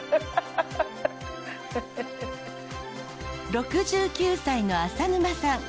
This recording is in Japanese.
６９歳の浅沼さん。